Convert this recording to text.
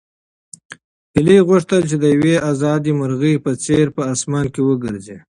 هیلې غوښتل چې د یوې ازادې مرغۍ په څېر په اسمان کې وګرځي.